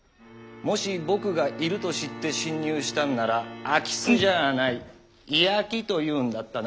もし僕が居ると知って侵入したんなら空き巣じゃあない居空きというんだったな。